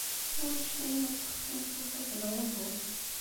Ur cfin ma ssexsin tafat neɣ uhu.